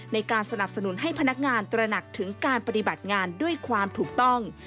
ในการสนับสนุนให้พนักงานตระหนักถึงการปฏิบัติงานด้วยความถูกต้อง